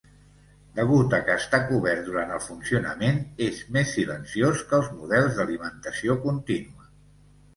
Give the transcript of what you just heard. Degut a que està cobert durant el funcionament, és mes silenciós que els models d"alimentació continua.